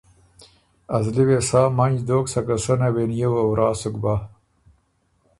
ازلی وې سا منج دوک سکه سنه وې نیووه ورا سُک بَۀ